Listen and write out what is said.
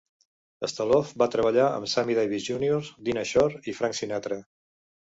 Stoloff va treballar amb Sammy Davis Junior Dinah Shore i Frank Sinatra.